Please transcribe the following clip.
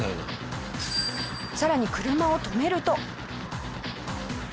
さらに車を止めると。